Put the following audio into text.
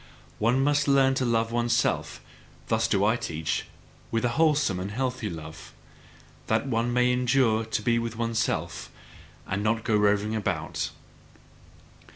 One must learn to love oneself thus do I teach with a wholesome and healthy love: that one may endure to be with oneself, and not go roving about.